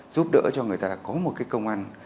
giúp đỡ cho người ta có một cái công an